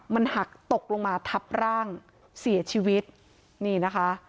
มันหักตกลงมาทับร่างเสียชีวิตนี่นะคะ